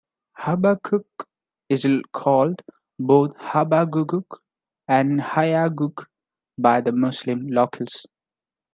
Habakkuk is called both Habaghugh and Hayaghugh by the Muslim locals.